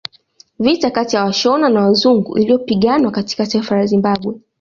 Vita kati ya Washona na wazungu iliyopiganwa katika taifa la Zimbabwe